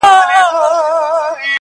o خداى وايي ته حرکت کوه، زه به برکت کوم!